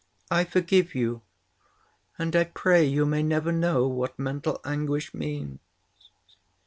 I forgive you, and I pray you may never know what mental anguish means!